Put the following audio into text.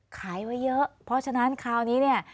ขายไว้เยอะเพราะฉะนั้นคราวนี้เนี่ย